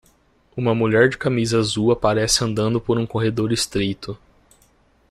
Uma mulher de camisa azul aparece andando por um corredor estreito.